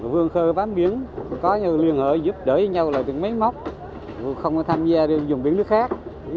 vương khơ bám biển có nhiều liên hợp giúp đỡ nhau từ mấy mốc không tham gia dùng biển nước khác